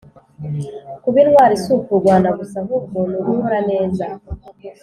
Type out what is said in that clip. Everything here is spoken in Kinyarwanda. kuba intwari si ukurwana gusa ahubwo nugukora neza